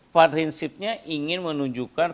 prinsipnya ingin menunjukkan